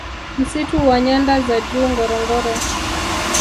Msitu wa nyanda za Juu Ngorongoro